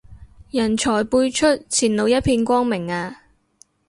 人才輩出，前路一片光明啊